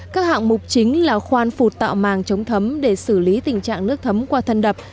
các hạng mục chính là khoan phục tạo màng chống thấm để xử lý tình trạng nước thấm qua thân đập